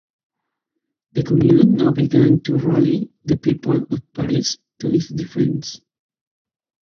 The Commune now began to rally the people of Paris to its defense.